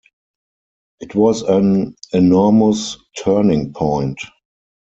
It was an enormous turning point.